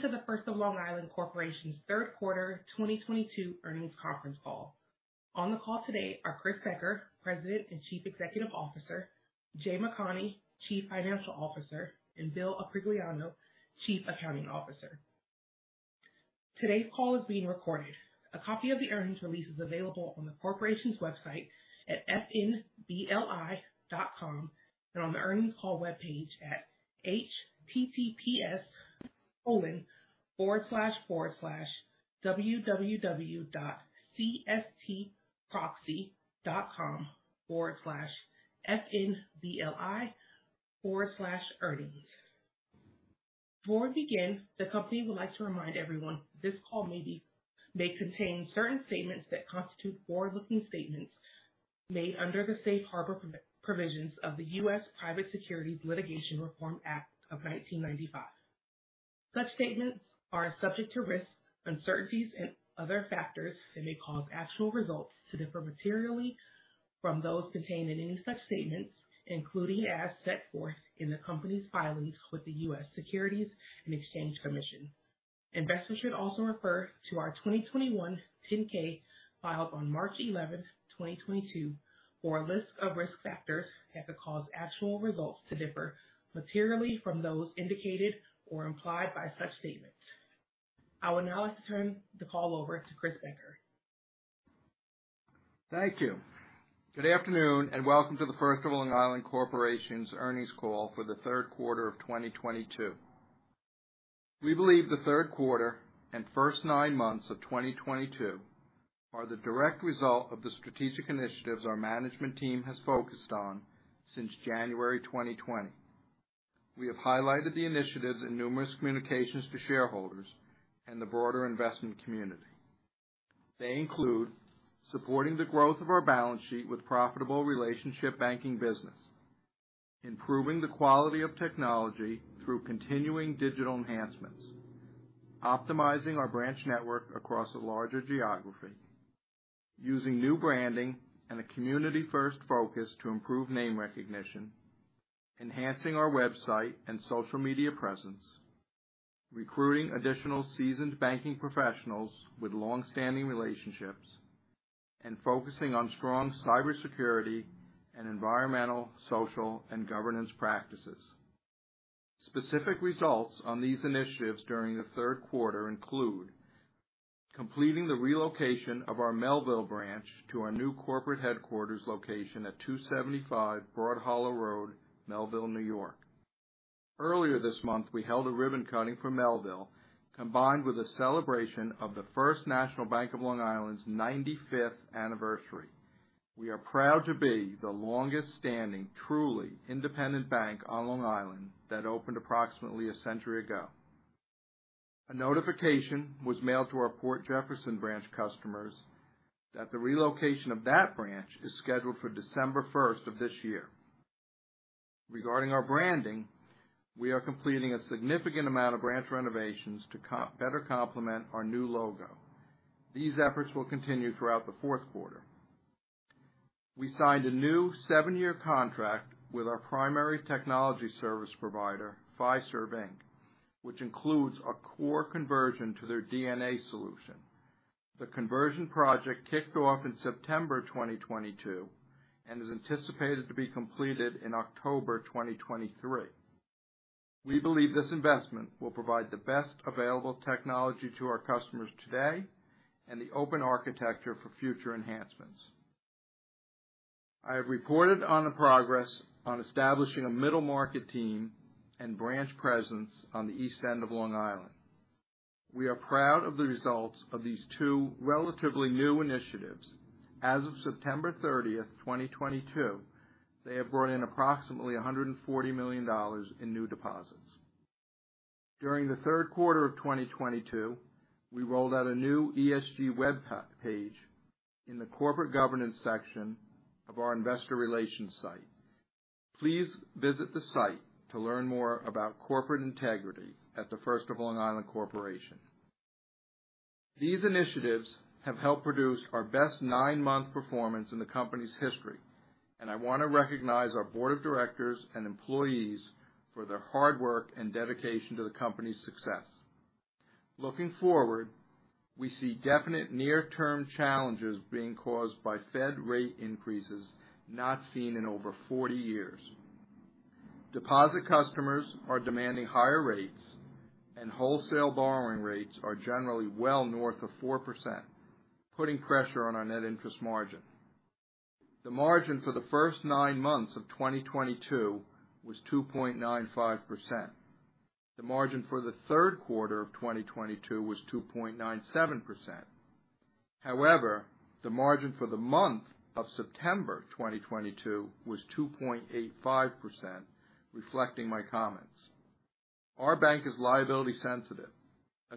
Welcome to The First of Long Island Corporation's third quarter 2022 earnings conference call. On the call today are Christopher Becker, President and Chief Executive Officer, Jay McConie, Chief Financial Officer, and William Aprigliano, Chief Accounting Officer. Today's call is being recorded. A copy of the earnings release is available on the corporation's website at fnbli.com and on the earnings call webpage at https://www.cstproxy.com/fnbli/earnings. Before we begin, the company would like to remind everyone this call may contain certain statements that constitute forward-looking statements made under the safe harbor provisions of the U.S. Private Securities Litigation Reform Act of 1995. Such statements are subject to risks, uncertainties and other factors that may cause actual results to differ materially from those contained in any such statements, including as set forth in the company's filings with the U.S. Securities and Exchange Commission. Investors should also refer to our 2021 10-K filed on March 11, 2022 for a list of risk factors that could cause actual results to differ materially from those indicated or implied by such statements. I would now like to turn the call over to Chris Becker. Thank you. Good afternoon, and welcome to The First of Long Island Corporation's earnings call for the third quarter of 2022. We believe the third quarter and first nine months of 2022 are the direct result of the strategic initiatives our management team has focused on since January 2020. We have highlighted the initiatives in numerous communications to shareholders and the broader investment community. They include supporting the growth of our balance sheet with profitable relationship banking business, improving the quality of technology through continuing digital enhancements, optimizing our branch network across a larger geography, using new branding and a community first focus to improve name recognition, enhancing our website and social media presence, recruiting additional seasoned banking professionals with long-standing relationships, and focusing on strong cybersecurity and environmental, social, and governance practices. Specific results on these initiatives during the third quarter include completing the relocation of our Melville branch to our new corporate headquarters location at 275 Broad Hollow Road, Melville, New York. Earlier this month, we held a ribbon cutting for Melville, combined with a celebration of the First National Bank of Long Island's 95th anniversary. We are proud to be the longest standing, truly independent bank on Long Island that opened approximately a century ago. A notification was mailed to our Port Jefferson branch customers that the relocation of that branch is scheduled for December 1 of this year. Regarding our branding, we are completing a significant amount of branch renovations to better complement our new logo. These efforts will continue throughout the fourth quarter. We signed a new 7-year contract with our primary technology service provider, Fiserv, Inc., which includes a core conversion to their DNA solution. The conversion project kicked off in September 2022 and is anticipated to be completed in October 2023. We believe this investment will provide the best available technology to our customers today and the open architecture for future enhancements. I have reported on the progress on establishing a middle market team and branch presence on the East End of Long Island. We are proud of the results of these two relatively new initiatives. As of September 30, 2022, they have brought in approximately $140 million in new deposits. During the third quarter of 2022, we rolled out a new ESG web page in the corporate governance section of our investor relations site. Please visit the site to learn more about corporate integrity at The First of Long Island Corporation. These initiatives have helped produce our best 9-month performance in the company's history, and I wanna recognize our board of directors and employees for their hard work and dedication to the company's success. Looking forward, we see definite near-term challenges being caused by Fed rate increases not seen in over 40 years. Deposit customers are demanding higher rates and wholesale borrowing rates are generally well north of 4%, putting pressure on our net interest margin. The margin for the first nine months of 2022 was 2.95%. The margin for the third quarter of 2022 was 2.97%. However, the margin for the month of September 2022 was 2.85%, reflecting my comments. Our bank is liability sensitive,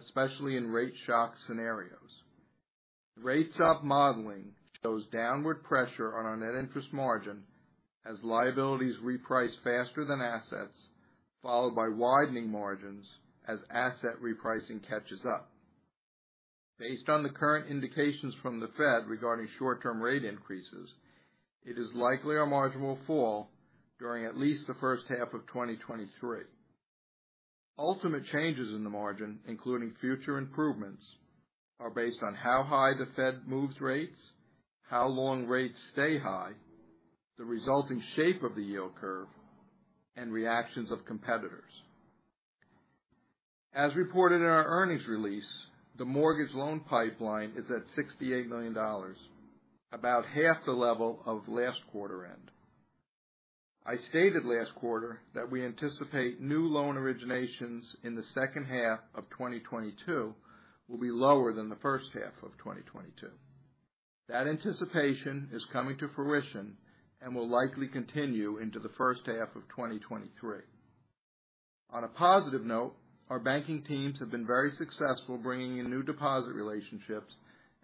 especially in rate shock scenarios. Rate shock modeling shows downward pressure on our net interest margin as liabilities reprice faster than assets, followed by widening margins as asset repricing catches up. Based on the current indications from the Fed regarding short-term rate increases, it is likely our margin will fall during at least the first half of 2023. Ultimate changes in the margin, including future improvements, are based on how high the Fed moves rates, how long rates stay high, the resulting shape of the yield curve, and reactions of competitors. As reported in our earnings release, the mortgage loan pipeline is at $68 million, about half the level of last quarter end. I stated last quarter that we anticipate new loan originations in the second half of 2022 will be lower than the first half of 2022. That anticipation is coming to fruition and will likely continue into the first half of 2023. On a positive note, our banking teams have been very successful bringing in new deposit relationships,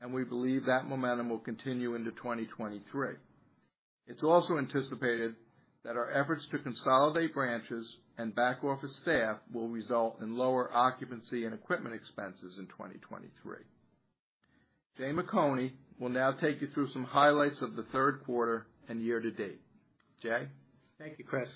and we believe that momentum will continue into 2023. It's also anticipated that our efforts to consolidate branches and back office staff will result in lower occupancy and equipment expenses in 2023. Jay P. McConie will now take you through some highlights of the third quarter and year to date. Jay? Thank you, Chris.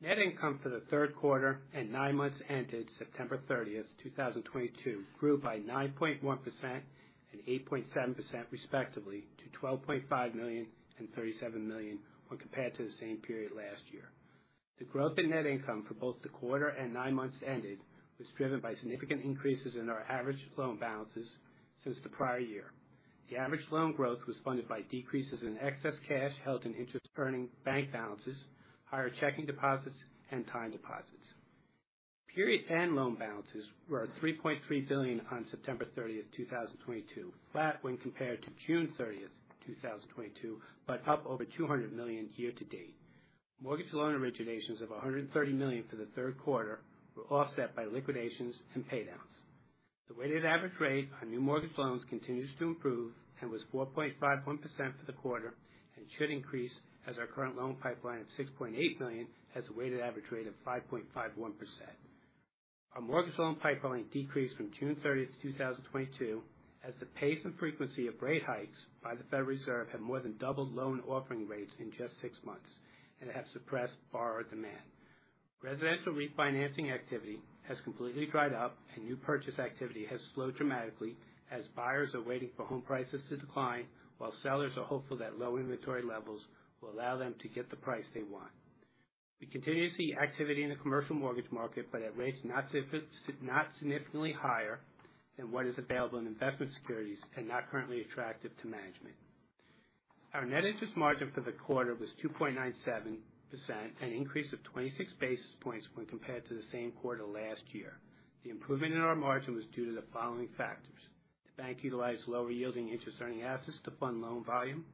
Net income for the third quarter and nine months ended September 30, 2022 grew by 9.1% and 8.7% respectively to $12.5 million and $37 million when compared to the same period last year. The growth in net income for both the quarter and nine months ended was driven by significant increases in our average loan balances since the prior year. The average loan growth was funded by decreases in excess cash held in interest-earning bank balances, higher checking deposits, and time deposits. Period-end loan balances were at $3.3 billion on September 30, 2022, flat when compared to June 30, 2022, but up over $200 million year to date. Mortgage loan originations of $130 million for the third quarter were offset by liquidations and paydowns. The weighted average rate on new mortgage loans continues to improve and was 4.51% for the quarter and should increase as our current loan pipeline of $6.8 million has a weighted average rate of 5.51%. Our mortgage loan pipeline decreased from June 30, 2022 as the pace and frequency of rate hikes by the Federal Reserve have more than doubled loan offering rates in just six months and have suppressed borrower demand. Residential refinancing activity has completely dried up and new purchase activity has slowed dramatically as buyers are waiting for home prices to decline while sellers are hopeful that low inventory levels will allow them to get the price they want. We continue to see activity in the commercial mortgage market, but at rates not significantly higher than what is available in investment securities and not currently attractive to management. Our net interest margin for the quarter was 2.97%, an increase of 26 basis points when compared to the same quarter last year. The improvement in our margin was due to the following factors. The bank utilized lower yielding interest earning assets to fund loan volume.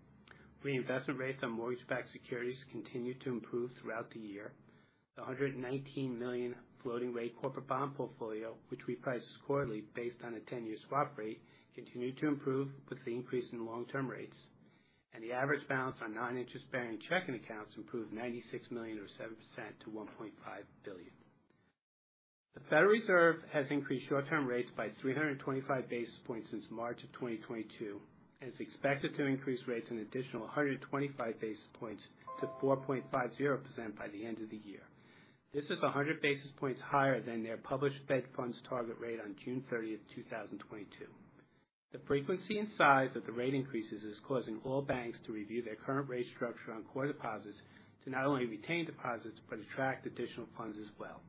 Reinvestment rates on mortgage-backed securities continued to improve throughout the year. The $119 million floating rate corporate bond portfolio, which reprices quarterly based on a 10-year swap rate, continued to improve with the increase in long-term rates. The average balance on non-interest bearing checking accounts improved $96 million or 7% to $1.5 billion. The Federal Reserve has increased short-term rates by 325 basis points since March 2022 and is expected to increase rates an additional 125 basis points to 4.50% by the end of the year. This is 100 basis points higher than their published bank funds target rate on June 30, 2022. The frequency and size of the rate increases is causing all banks to review their current rate structure on core deposits to not only retain deposits but attract additional funds as well.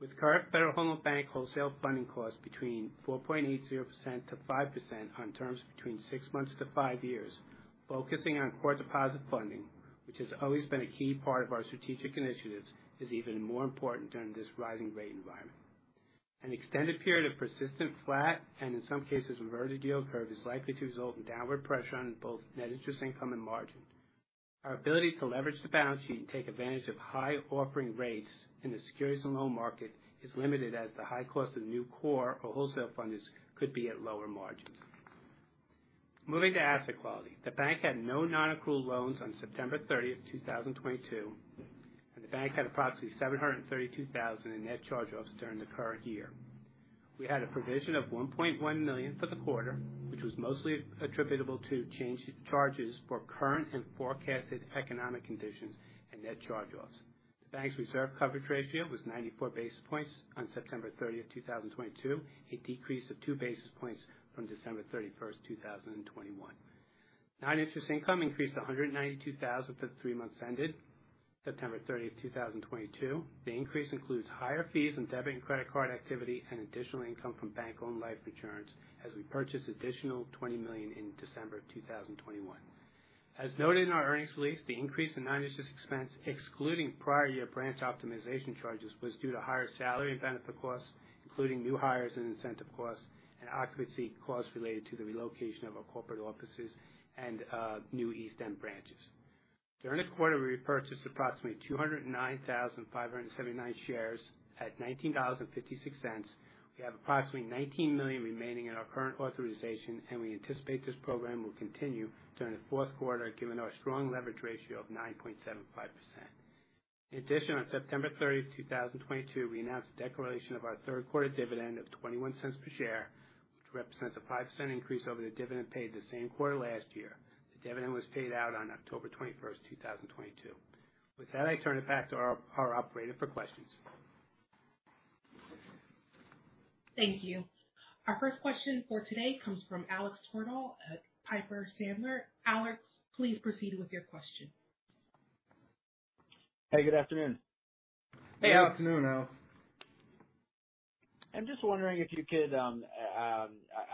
With current Federal Home Loan Bank wholesale funding costs between 4.80% to 5% on terms between 6 months-5 years, focusing on core deposit funding, which has always been a key part of our strategic initiatives, is even more important during this rising rate environment. An extended period of persistent flat and, in some cases, inverted yield curve is likely to result in downward pressure on both net interest income and margin. Our ability to leverage the balance sheet and take advantage of high offering rates in the securities and loan market is limited as the high cost of new core or wholesale funding could be at lower margins. Moving to asset quality. The bank had no non-accrual loans on September 30, 2022, and the bank had approximately $732,000 in net charge-offs during the current year. We had a provision of $1.1 million for the quarter, which was mostly attributable to charge-offs for current and forecasted economic conditions and net charge-offs. The bank's reserve coverage ratio was 94 basis points on September 30, 2022, a decrease of 2 basis points from December 31, 2021. Non-interest income increased to $192,000 for the three months ended September 30, 2022. The increase includes higher fees and debit and credit card activity and additional income from bank-owned life insurance as we purchased additional $20 million in December of 2021. As noted in our earnings release, the increase in non-interest expense excluding prior year branch optimization charges was due to higher salary and benefit costs, including new hires and incentive costs and occupancy costs related to the relocation of our corporate offices and new East End branches. During this quarter, we repurchased approximately 209,579 shares at $19.56. We have approximately $19 million remaining in our current authorization, and we anticipate this program will continue during the fourth quarter given our strong leverage ratio of 9.75%. In addition, on September 30, 2022, we announced the declaration of our third quarter dividend of $0.21 per share, which represents a 5% increase over the dividend paid the same quarter last year. The dividend was paid out on October 21, 2022. With that, I turn it back to our operator for questions. Thank you. Our first question for today comes from Alex Twerdahl at Piper Sandler. Alex, please proceed with your question. Hey, good afternoon. Hey. Good afternoon, Alex. I'm just wondering if you could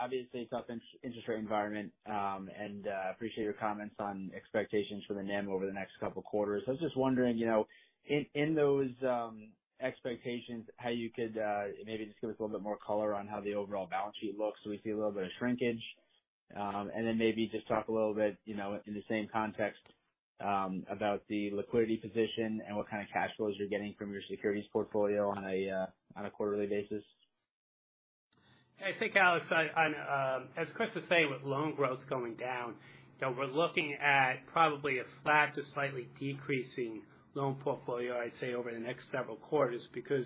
obviously tough interest rate environment and appreciate your comments on expectations for the NIM over the next couple quarters. I was just wondering, you know, in those expectations, how you could maybe just give us a little bit more color on how the overall balance sheet looks. Do we see a little bit of shrinkage? Maybe just talk a little bit, you know, in the same context, about the liquidity position and what kind of cash flows you're getting from your securities portfolio on a quarterly basis. I think, Alex, as Chris was saying, with loan growth going down, you know, we're looking at probably a flat to slightly decreasing loan portfolio, I'd say, over the next several quarters. Because,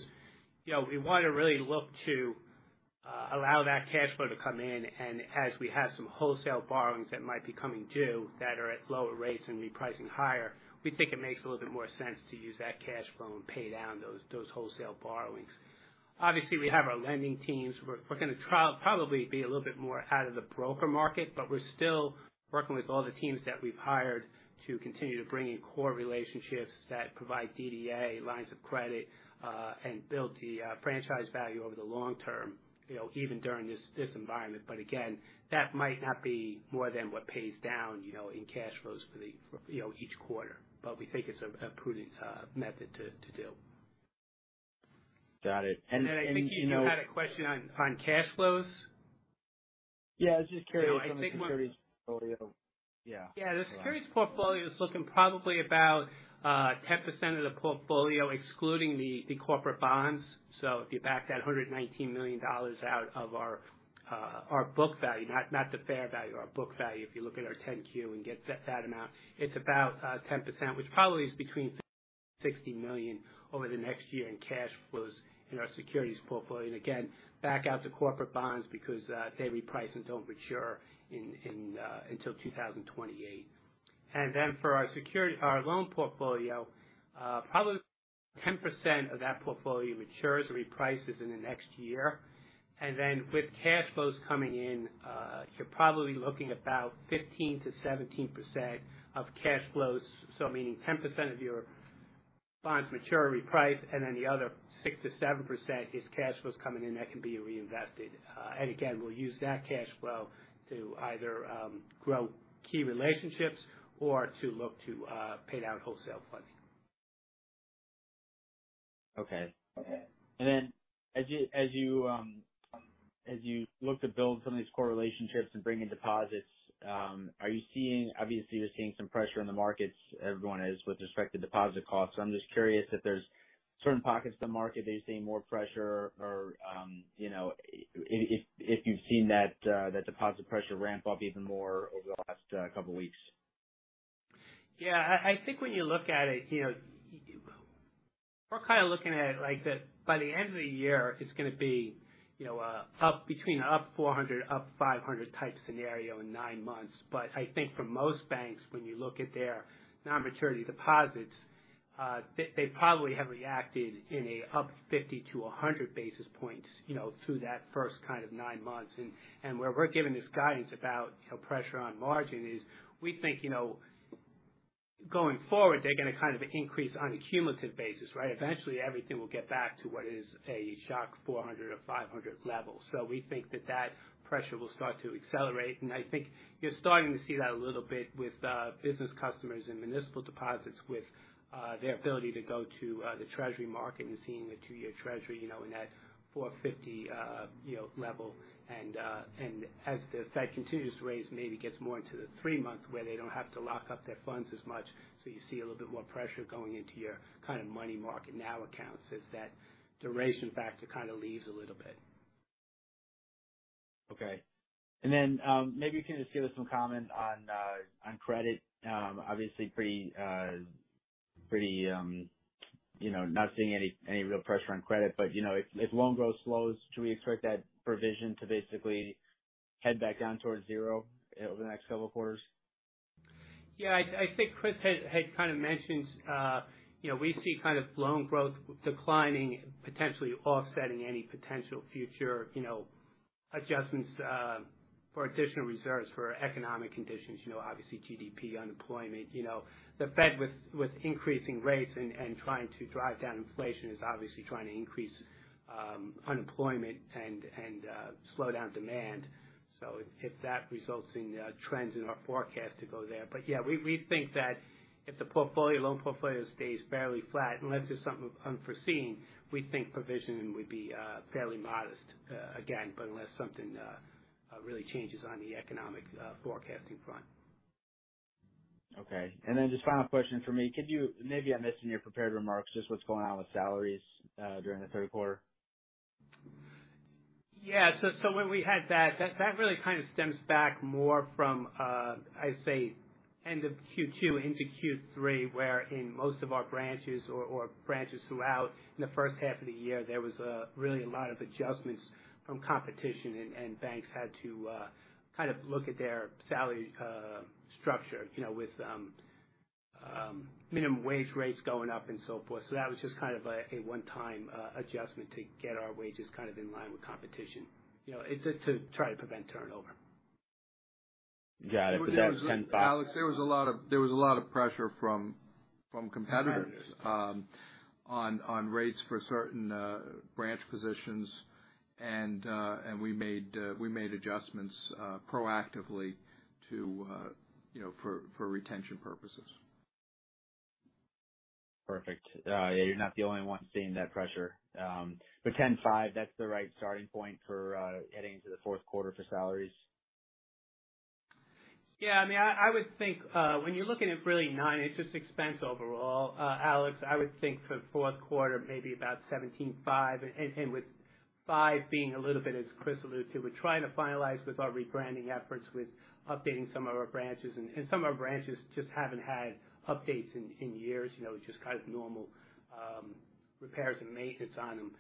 you know, we want to really look to allow that cash flow to come in. As we have some wholesale borrowings that might be coming due that are at lower rates and repricing higher, we think it makes a little bit more sense to use that cash flow and pay down those wholesale borrowings. Obviously, we have our lending teams. We're gonna probably be a little bit more out of the broker market, but we're still working with all the teams that we've hired to continue to bring in core relationships that provide DDA lines of credit, and build the franchise value over the long term, you know, even during this environment. Again, that might not be more than what pays down, you know, in cash flows for the each quarter. We think it's a prudent method to do. Got it. You know. I think you had a question on cash flows. Yeah, I was just curious on the securities portfolio. Yeah. Yeah. The securities portfolio is looking probably about 10% of the portfolio, excluding the corporate bonds. If you back that $119 million out of our book value, not the fair value, our book value, if you look at our Form 10-Q and get that amount, it's about 10%, which probably is between $60 million over the next year in cash flows in our securities portfolio. Back out the corporate bonds because they reprice and don't mature until 2028. For our loan portfolio, probably 10% of that portfolio matures or reprices in the next year. With cash flows coming in, you're probably looking about 15%-17% of cash flows. Meaning 10% of your bonds mature or reprice, and then the other 6%-7% is cash flows coming in that can be reinvested. Again, we'll use that cash flow to either grow key relationships or to look to pay down wholesale funding. Okay. As you look to build some of these core relationships and bring in deposits, are you seeing, obviously, you're seeing some pressure in the markets, everyone is, with respect to deposit costs. I'm just curious if there's certain pockets of the market that are seeing more pressure or, you know, if you've seen that deposit pressure ramp up even more over the last couple weeks? I think when you look at it, you know, we're kind of looking at it like that by the end of the year. It's gonna be, you know, up between 400-500 type scenario in 9 months. I think for most banks, when you look at their non-maturity deposits, they probably have reacted in an up 50-100 basis points, you know, through that first kind of 9 months. And where we're giving this guidance about, you know, pressure on margin is we think, you know, going forward, they're gonna kind of increase on a cumulative basis, right? Eventually everything will get back to what is a shock 400 or 500 level. We think that that pressure will start to accelerate. I think you're starting to see that a little bit with business customers and municipal deposits with their ability to go to the treasury market and seeing a two-year treasury, you know, in that 450 level. As the Fed continues to raise, maybe gets more into the three-month where they don't have to lock up their funds as much, so you see a little bit more pressure going into your kind of money market now accounts as that duration factor kind of leaves a little bit. Okay. Maybe if you can just give us some comment on credit. Obviously pretty, you know, not seeing any real pressure on credit, but, you know, if loan growth slows, do we expect that provision to basically head back down towards zero over the next couple quarters? Yeah, I think Chris had kind of mentioned, you know, we see kind of loan growth declining, potentially offsetting any potential future, you know, adjustments, for additional reserves for economic conditions. You know, obviously GDP, unemployment, you know. The Fed, with increasing rates and trying to drive down inflation, is obviously trying to increase unemployment and slow down demand. If that results in trends in our forecast to go there. Yeah, we think that if the loan portfolio stays fairly flat, unless there's something unforeseen, we think provisioning would be fairly modest, again, but unless something really changes on the economic forecasting front. Okay. Just final question for me. Could you, maybe I missed in your prepared remarks just what's going on with salaries during the third quarter? Yeah. When we had that really kind of stems back more from, I'd say end of Q2 into Q3, where in most of our branches throughout the first half of the year, there was really a lot of adjustments from competition and banks had to kind of look at their salary structure, you know, with minimum wage rates going up and so forth. That was just kind of a one-time adjustment to get our wages kind of in line with competition, you know, it's just to try to prevent turnover. Got it. Alex, there was a lot of pressure from competitors on rates for certain branch positions. We made adjustments proactively to you know for retention purposes. Perfect. Yeah, you're not the only one seeing that pressure. 10.5, that's the right starting point for heading into the fourth quarter for salaries? Yeah, I mean, I would think when you're looking at really non-interest expense overall, Alex, I would think for fourth quarter, maybe about $17.5 million. With five being a little bit, as Chris alluded to, we're trying to finalize with our rebranding efforts with updating some of our branches. Some of our branches just haven't had updates in years. You know, just kind of normal repairs and maintenance on them.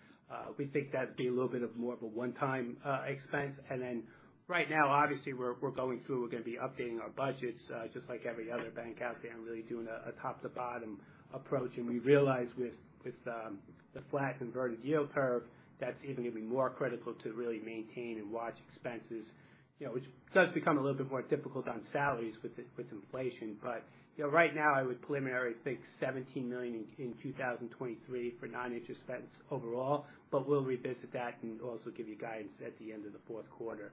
We think that'd be a little bit more of a one-time expense. Then right now, obviously we're going through, we're gonna be updating our budgets just like every other bank out there and really doing a top to bottom approach. We realize with the flat inverted yield curve, that's even gonna be more critical to really maintain and watch expenses. You know, which does become a little bit more difficult on salaries with inflation. You know, right now I would preliminary think $17 million in 2023 for non-interest expense overall. We'll revisit that and also give you guidance at the end of the fourth quarter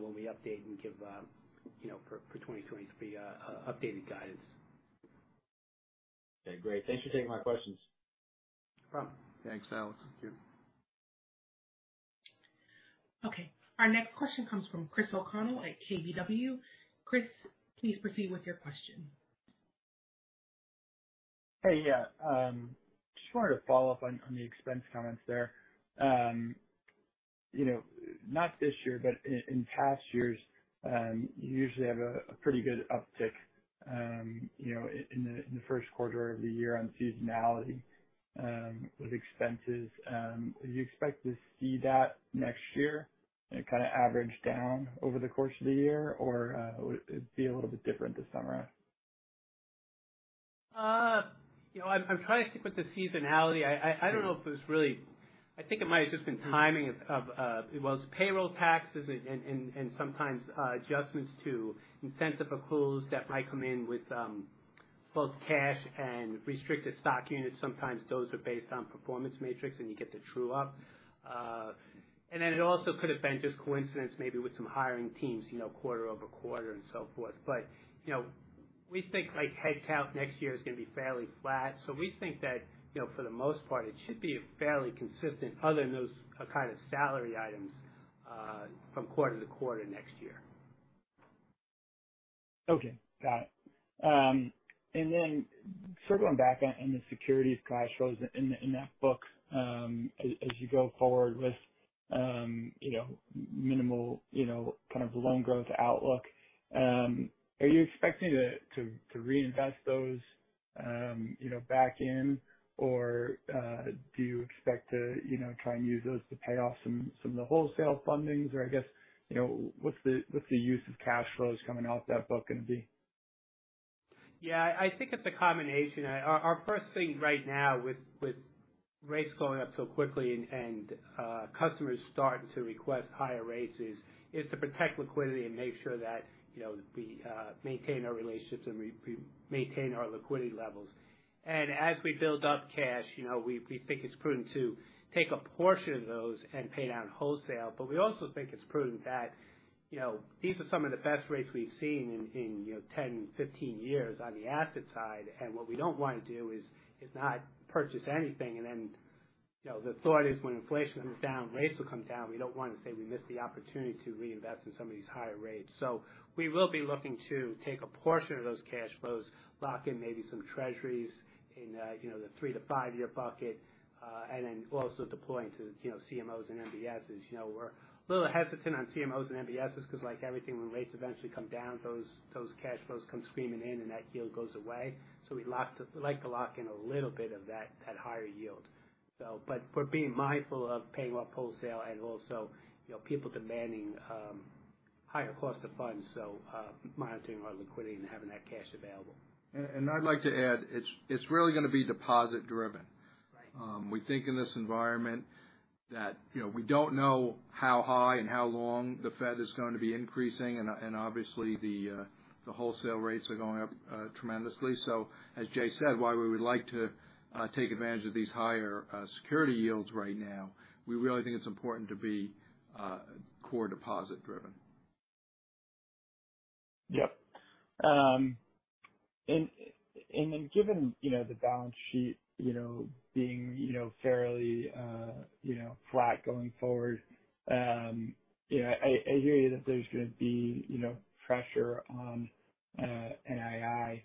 when we update and give you know for 2023 updated guidance. Okay, great. Thanks for taking my questions. No problem. Thanks, Alex. Thank you. Okay. Our next question comes from Chris O'Connell at KBW. Chris, please proceed with your question. Hey, yeah. Just wanted to follow up on the expense comments there. You know, not this year, but in past years, you usually have a pretty good uptick, you know, in the first quarter of the year on seasonality with expenses. Do you expect to see that next year? It kind of average down over the course of the year or would it be a little bit different this time around? You know, I'm trying to stick with the seasonality. I don't know if it was really. I think it might have just been timing of well it's payroll taxes and sometimes adjustments to incentive accruals that might come in with both cash and restricted stock units. Sometimes those are based on performance metrics, and you get to true up. And then it also could have been just coincidence, maybe with some hiring teams, you know, quarter-over-quarter and so forth. You know, we think like headcount next year is gonna be fairly flat. We think that, you know, for the most part it should be fairly consistent other than those kind of salary items from quarter to quarter next year. Okay. Got it. Circling back on the securities cash flows in that book, as you go forward with you know, kind of loan growth outlook, are you expecting to reinvest those you know, back in? Or do you expect to you know, try and use those to pay off some of the wholesale fundings? Or I guess you know, what's the use of cash flows coming off that book gonna be? Yeah, I think it's a combination. Our first thing right now with rates going up so quickly and customers starting to request higher rates is to protect liquidity and make sure that, you know, we maintain our relationships and we maintain our liquidity levels. As we build up cash, you know, we think it's prudent to take a portion of those and pay down wholesale. We also think it's prudent that, you know, these are some of the best rates we've seen in 10, 15 years on the asset side. What we don't wanna do is not purchase anything and then, you know, the thought is when inflation comes down, rates will come down. We don't wanna say we missed the opportunity to reinvest in some of these higher rates. We will be looking to take a portion of those cash flows, lock in maybe some treasuries in, you know, the 3-5-year bucket. Then also deploying to, you know, CMOs and MBSs. You know, we're a little hesitant on CMOs and MBSs 'cause like everything when rates eventually come down, those cash flows come screaming in, and that yield goes away. We like to lock in a little bit of that higher yield. But we're being mindful of paying off wholesale and also, you know, people demanding higher cost of funds. Monitoring our liquidity and having that cash available. I'd like to add, it's really gonna be deposit driven. Right. We think in this environment that, you know, we don't know how high and how long the Fed is going to be increasing, and obviously the wholesale rates are going up tremendously. As Jay said, while we would like to take advantage of these higher security yields right now, we really think it's important to be core deposit driven. Yep. Given you know the balance sheet you know being you know fairly flat going forward, yeah, I hear you that there's gonna be you know pressure on NII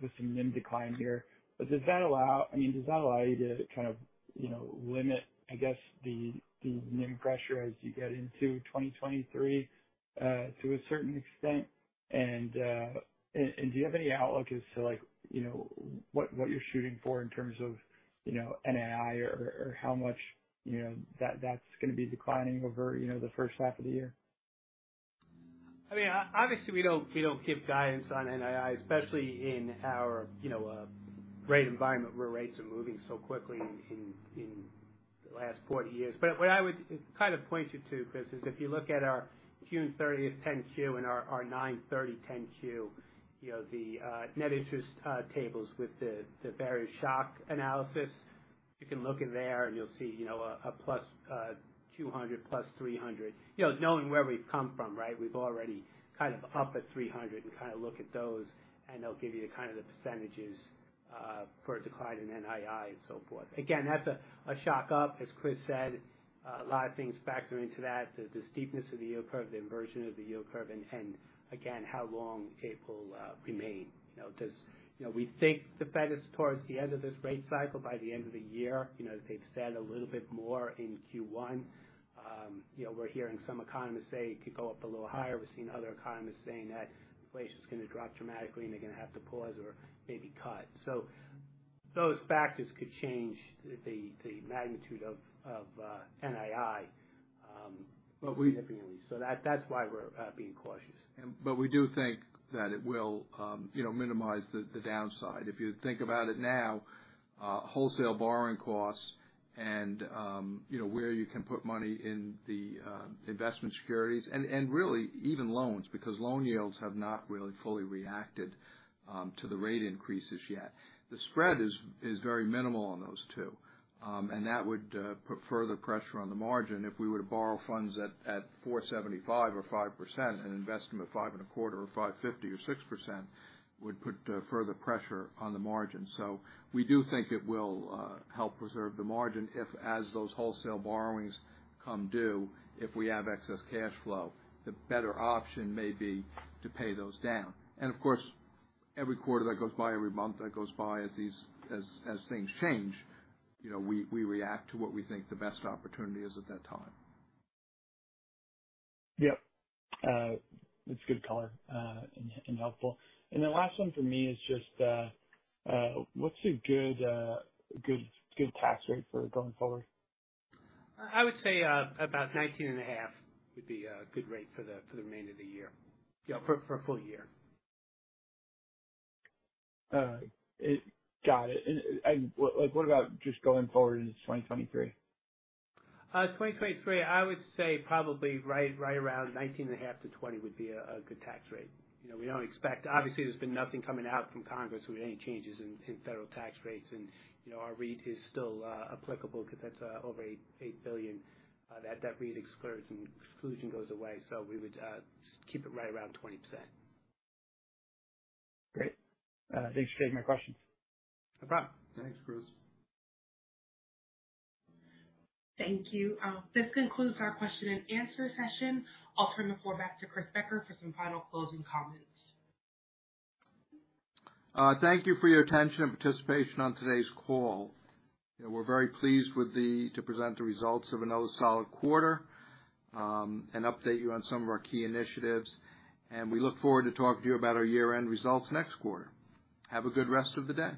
with some NIM decline here. Does that allow. I mean, does that allow you to kind of you know limit, I guess, the NIM pressure as you get into 2023 to a certain extent? Do you have any outlook as to like you know what you're shooting for in terms of you know NII or how much you know that's gonna be declining over you know the first half of the year? I mean, obviously we don't give guidance on NII, especially in our, you know, rate environment where rates are moving so quickly in the last 40 years. What I would kind of point you to, Chris, is if you look at our June 30 Form 10-Q and our September 30 Form 10-Q, you know, the net interest tables with the rate shock analysis. You can look in there and you'll see a +200 +300, you know, knowing where we've come from, right? We've already kind of up at 300 and kind of look at those, and they'll give you kind of the percentages for a decline in NII and so forth. Again, that's a shock up, as Chris said. A lot of things factor into that. The steepness of the yield curve, the inversion of the yield curve and again, how long it will remain. You know, we think the Fed is towards the end of this rate cycle by the end of the year. You know, they've said a little bit more in Q1. You know, we're hearing some economists say it could go up a little higher. We're seeing other economists saying that inflation is going to drop dramatically and they're going to have to pause or maybe cut. Those factors could change the magnitude of NII significantly. That's why we're being cautious. We do think that it will, you know, minimize the downside. If you think about it now, wholesale borrowing costs and, you know, where you can put money in the investment securities and really even loans because loan yields have not really fully reacted to the rate increases yet. The spread is very minimal on those two. And that would put further pressure on the margin if we were to borrow funds at 4.75% or 5% and invest them at 5.25% or 5.50% or 6% would put further pressure on the margin. We do think it will help preserve the margin if as those wholesale borrowings come due, if we have excess cash flow. The better option may be to pay those down. Of course, every quarter that goes by, every month that goes by as things change, you know, we react to what we think the best opportunity is at that time. Yep. That's good color, and helpful. The last one for me is just, what's a good tax rate for going forward? I would say about 19.5% would be a good rate for the remainder of the year. Yeah, for a full year. Got it. Like what about just going forward into 2023? 2023, I would say probably right around 19.5%-20% would be a good tax rate. You know, we don't expect. Obviously there's been nothing coming out from Congress with any changes in federal tax rates. You know, our REIT is still applicable because that's over $8 billion. That REIT exclusion goes away. We would just keep it right around 20%. Great. Thanks for taking my questions. No problem. Thanks, Chris. Thank you. This concludes our question and answer session. I'll turn the floor back to Christopher Becker for some final closing comments. Thank you for your attention and participation on today's call. We're very pleased to present the results of another solid quarter, and update you on some of our key initiatives. We look forward to talking to you about our year-end results next quarter. Have a good rest of the day.